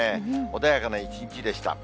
穏やかな一日でした。